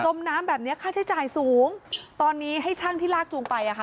มน้ำแบบเนี้ยค่าใช้จ่ายสูงตอนนี้ให้ช่างที่ลากจูงไปอ่ะค่ะ